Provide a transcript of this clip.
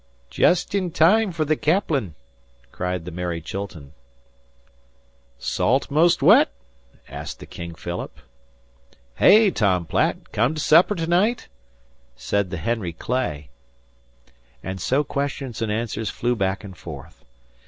"Jest in time fer the caplin," cried the Mary Chilton. "'Salt 'most wet?" asked the King Philip. "Hey, Tom Platt! Come t' supper to night?" said the Henry Clay; and so questions and answers flew back and forth.